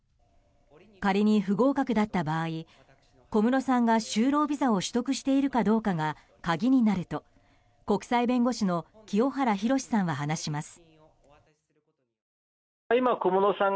仮に不合格だった場合小室さんが就労ビザを取得しているかどうかが鍵になると国際弁護士の清原博さんは話します。